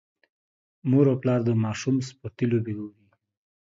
مور او پلار د ماشوم سپورتي لوبې ګوري.